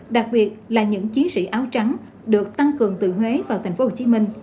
đặc biệt là những chiến sĩ áo trắng được tăng cường từ huế vào tp hcm